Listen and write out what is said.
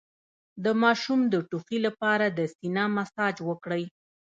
د ماشوم د ټوخي لپاره د سینه مساج وکړئ